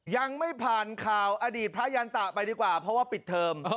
ยังไม่ผ่านข่าวอดีตพระยันตะไปดีกว่าเพราะว่าปิดเทอม